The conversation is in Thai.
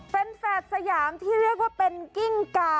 เป็นแฝดสยามที่เรียกว่าเป็นกิ้งกา